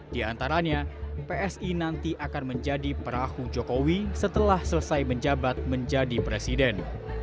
di antaranya psi nanti akan menjadi perahu jokowi setelah selesai menjabat menjadi presiden